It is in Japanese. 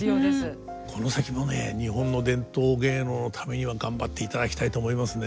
この先もね日本の伝統芸能のためには頑張っていただきたいと思いますね。